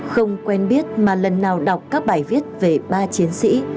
không quen biết mà lần nào đọc các bài viết về ba chiến sĩ